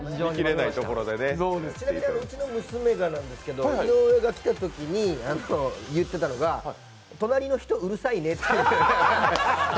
うちの娘がなんですけど、井上が来たときに言ってたのが、隣の人、うるさいねって。